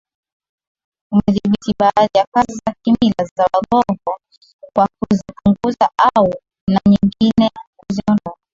umedhibiti baadhi ya kazi za Kimila za Waghongo kwa kuzipunguza au na nyingine kuziondoa